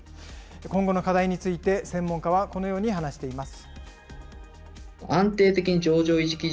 今後の課題について、専門家はこのように話しています。